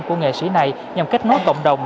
của nghệ sĩ này nhằm kết nối cộng đồng